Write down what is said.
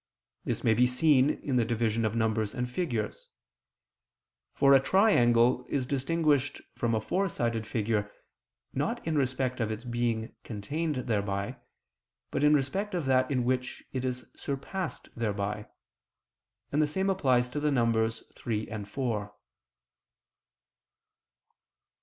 This may be seen in the division of numbers and figures: for a triangle is distinguished from a four sided figure not in respect of its being contained thereby, but in respect of that in which it is surpassed thereby: and the same applies to the numbers three and four.